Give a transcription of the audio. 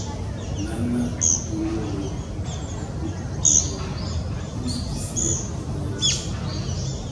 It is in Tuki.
Nana tunu wu wá kutu nʼbiônô indi tifiya yenga ya tsuchimi.